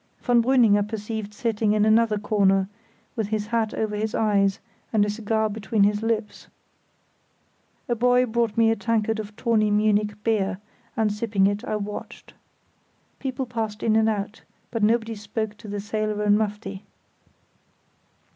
Von Brüning I perceived sitting in another corner, with his hat over his eyes and a cigar between his lips. A boy brought me a tankard of tawny Munich beer, and, sipping it, I watched. People passed in and out, but nobody spoke to the sailor in mufti.